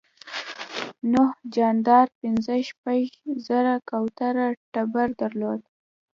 نوح جاندار پنځه شپږ زره کوره ټبر درلود.